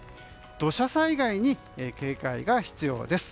土砂災害に警戒が必要です。